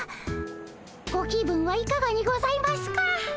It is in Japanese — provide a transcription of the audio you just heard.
ご気分はいかがにございますか？